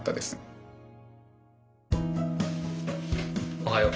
おはよう。